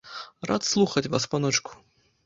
Рад слухаць вас, паночку.